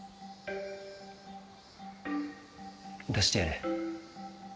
出してやれ。